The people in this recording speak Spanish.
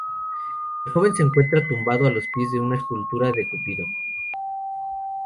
El joven se encuentra tumbado a los pies de una escultura de Cupido.